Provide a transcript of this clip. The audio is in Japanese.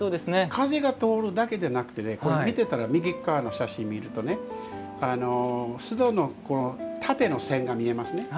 風が通るだけでなくて見てたら、右側の写真を見ると簾戸の縦の線か見えますね。